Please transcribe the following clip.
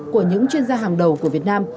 của những chuyên gia hàng đầu của việt nam